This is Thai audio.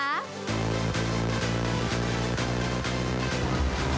โอ้ยหนาว